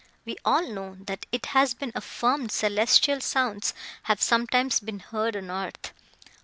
We all know, that it has been affirmed celestial sounds have sometimes been heard on earth.